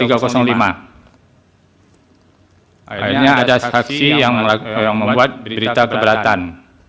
akhirnya ada saksi yang membuat berita keberatan